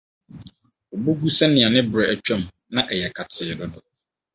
Wɔbɔ gu sɛ nea ne bere atwam, na ɛyɛ katee dodo.